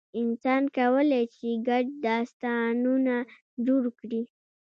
انسان کولی شي ګډ داستانونه جوړ کړي.